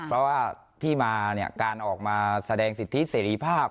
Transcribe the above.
เพราะว่าที่มาเนี่ยการออกมาแสดงสิทธิเสรีภาพ